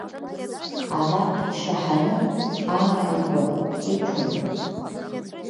Араԥ шьаҳаны ааигәа иқәын.